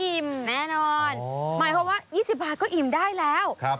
แน่นอนหมายความว่า๒๐บาทก็อิ่มได้แล้ว